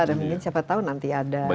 dan mungkin siapa tau nanti ada